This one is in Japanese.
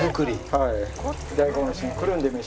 はい。